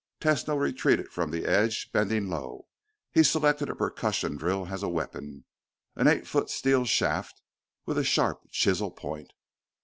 Tesno retreated from the edge, bending low. He selected a percussion drill as a weapon an eight foot steel shaft with a sharp chisel point.